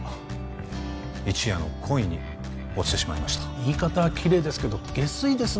一夜の恋に落ちてしまいました言い方はきれいですけどゲスいですね